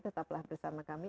tetaplah bersama kami